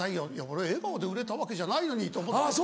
俺笑顔で売れたわけじゃないのにと思って。